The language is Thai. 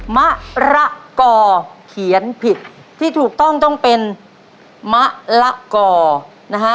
มะระก่อเขียนผิดที่ถูกต้องต้องเป็นมะละก่อนะฮะ